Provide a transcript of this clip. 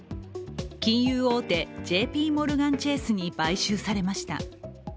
金融大手、ＪＰモルガン・チェースに買収されました。